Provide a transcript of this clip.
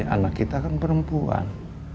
anak kita kan perempuan